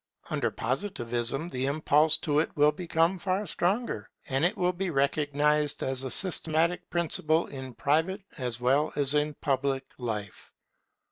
Under Positivism the impulse to it will become far stronger, and it will be recognized as a systematic principle in private as well as in public life.